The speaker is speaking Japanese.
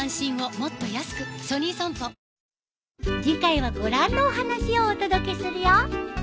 次回はご覧のお話をお届けするよ。